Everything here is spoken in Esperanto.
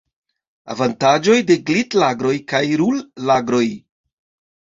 Avantaĝoj de glit-lagroj kaj rul-lagroj.